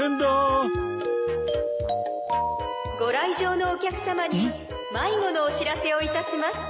・ご来場のお客さまに迷子のお知らせをいたします。